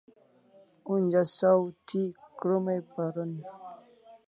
Onja saw thi krom ai paron